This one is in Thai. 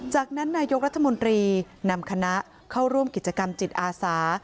จากนั้นนายกรัฐมนตรีนำคณะเข้าร่วมกิจกรรมจิตอาสา